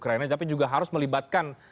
ke ukraina tapi juga harus melibatkan